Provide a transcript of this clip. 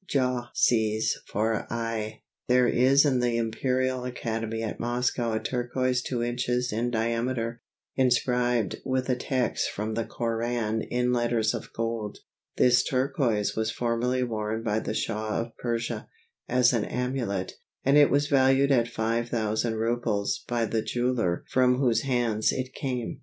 Jah sees for aye. There is in the Imperial Academy at Moscow a turquoise two inches in diameter, inscribed with a text from the Koran in letters of gold. This turquoise was formerly worn by the Shah of Persia as an amulet, and it was valued at 5000 rubles by the jeweller from whose hands it came.